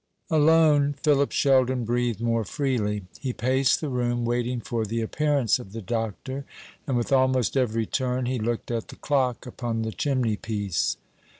Alone, Philip Sheldon breathed more freely. He paced the room, waiting for the appearance of the doctor; and with almost every turn he looked at the clock upon the chimneypiece.